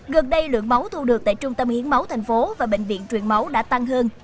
gần đây lượng máu thu được tại trung tâm hiến máu thành phố và bệnh viện truyền máu đã tăng hơn